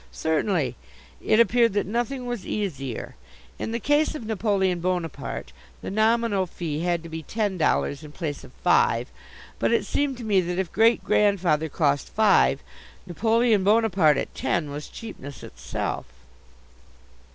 Certainly. It appeared that nothing was easier. In the case of Napoleon Bonaparte the nominal fee had to be ten dollars in place of five; but it seemed to me that, if Great grandfather cost five, Napoleon Bonaparte at ten was cheapness itself.